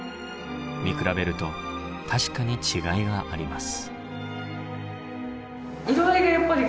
見比べると確かに違いがあります。